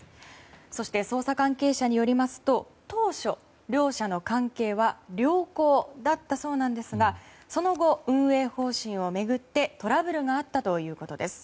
そして捜査関係者によりますと当初、両者の関係は良好だったそうなんですがその後、運営方針を巡ってトラブルがあったということです。